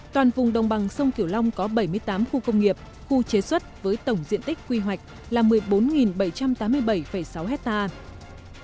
toàn vùng đồng bằng sông kiểu long có bảy mươi tám khu công nghiệp khu chế xuất với tổng diện tích quy hoạch là một mươi bốn bảy trăm tám mươi bảy sáu hectare